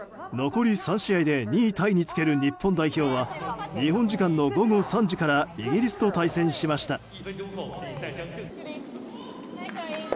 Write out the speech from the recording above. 残り３試合で２位タイにつける日本代表は日本時間の午後３時からイギリスと対戦しました。